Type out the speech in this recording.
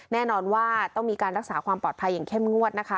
แน่นอนว่าต้องมีการรักษาความปลอดภัยอย่างเข้มงวดนะคะ